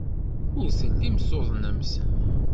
Ur tellimt tuḍnemt.